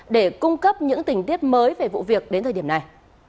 để cung cấp những tình tiết mới về vụ việc đến thời điểm này